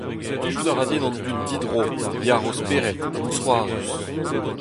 Plijout a ra din an dud didro, yac'h o spered ha mousc'hoarzhus.